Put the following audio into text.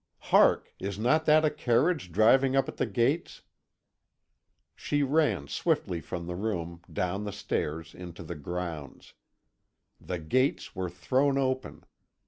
Hark! Is not that a carriage driving up at the gates?" She ran swiftly from the room, down the stairs, into the grounds. The gates were thrown open.